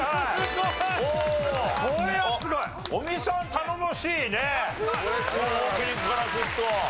頼もしいねオープニングからずっと。